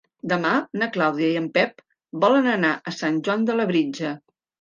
Demà na Clàudia i en Pep volen anar a Sant Joan de Labritja.